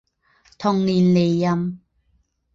同年离任。